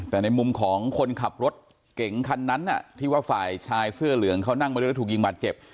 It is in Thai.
แต่ในมุมของคนขับรถเก่งคันนั้นที่ว่าฝ่ายชายเสื้อเหลืองเขานั่งมาด้วยแล้วถูกยิงบาดเจ็บ